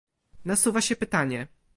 Nasuwa się pytanie